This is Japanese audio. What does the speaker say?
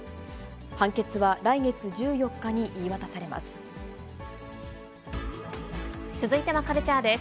判決は来月１４日に言い渡されます。